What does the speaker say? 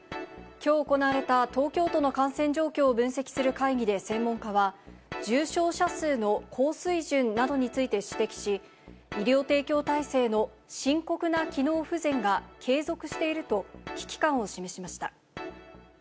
きょう行われた東京都の感染状況を分析する会議で専門家は、重症者数の高水準などについて指摘し、医療提供体制の深刻な機能不全が継続していると、危機感を示しました。